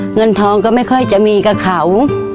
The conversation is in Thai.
เงินทองก็ไม่ค่อยจะมีกับเขา